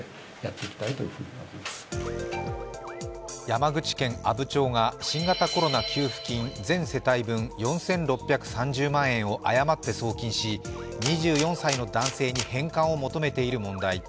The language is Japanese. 山口県阿武町が新型コロナ給付金、全世帯分４６３０万円を誤って送金し、２４歳の男性に返還を求めている問題。